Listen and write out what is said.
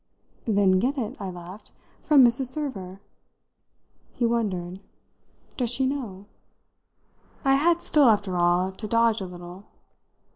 "Then get it," I laughed, "from Mrs. Server!" He wondered. "Does she know?" I had still, after all, to dodge a little.